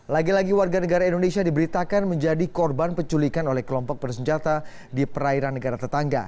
lagi lagi warga negara indonesia diberitakan menjadi korban penculikan oleh kelompok bersenjata di perairan negara tetangga